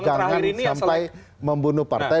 jangan sampai membunuh partai